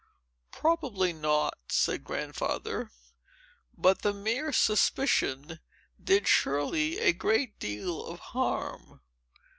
"Probably not," said Grandfather. "But the mere suspicion did Shirley a great deal of harm.